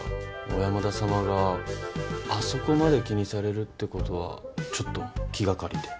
小山田様があそこまで気にされるってことはちょっと気がかりで。